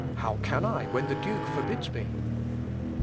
_ "How can I when the duke forbids me?"